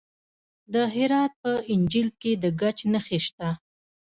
د هرات په انجیل کې د ګچ نښې شته.